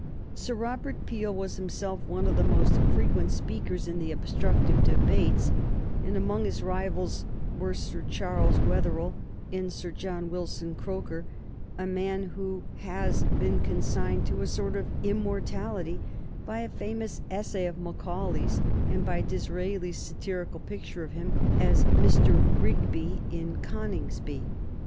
Sir Robert Peel was himself one of the most frequent speakers in the obstructive debates, and among his rivals were Sir Charles Wetherell and Mr. John Wilson Croker, a man who has been consigned to a sort of immortality by a famous essay of Macaulay's and by Disraeli's satirical picture of him as Mr. Rigby in "Coningsby."